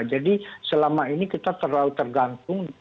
jadi selama ini kita terlalu tergantung